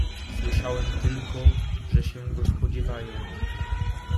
"Słyszałem tylko, że go się spodziewają."